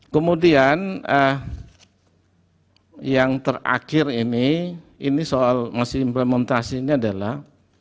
kemudian yang terakhir ini ini soal masih implementasi ini adalah